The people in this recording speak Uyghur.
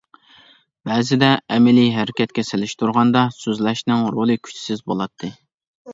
بەزىدە، ئەمەلىي ھەرىكەتكە سېلىشتۇرغاندا، سۆزلەشنىڭ رولى كۈچسىز بولاتتى.